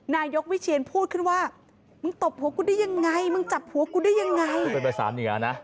นายกวิเชียนพูดขึ้นว่ามึงตบหัวกูได้ยังไงมึงจับหัวกูได้ยังไง